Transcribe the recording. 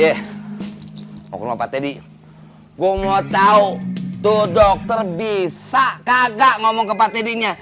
ih ngomong pak teddy gua mau tahu tuh dokter bisa kagak ngomong ke pak teddy nya